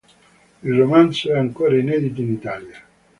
Il romanzo è ancora inedito in Italia.